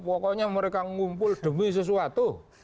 pokoknya mereka ngumpul demi sesuatu